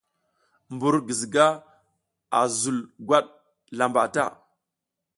Mbur giziga a zul gwat lamba ta.